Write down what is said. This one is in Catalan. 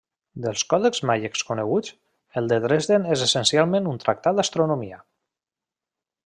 Dels còdexs maies coneguts, el de Dresden és essencialment un tractat d'astronomia.